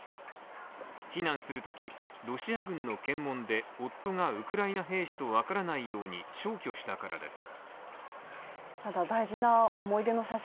避難するとき、ロシア軍の検問で夫がウクライナ兵士とわからないように消去したからです。